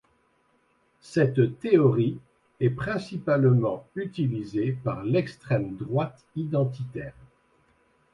Cette théorie est principalement utilisée par l’extrême droite identitaire.